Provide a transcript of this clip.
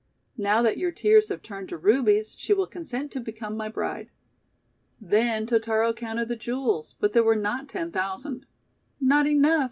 Now that your tears have turned to Rubies, she will consent to become my bride!' Then Totaro counted the jewels, but there were not ten thousand. " Not enough !